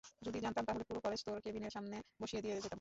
যদি জানতাম, তাহলে পুরো কলেজ তোর কেবিনের সামনে বসিয়ে দিয়ে যেতাম।